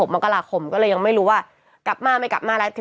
มกราคมก็เลยยังไม่รู้ว่ากลับมาไม่กลับมาแล้ว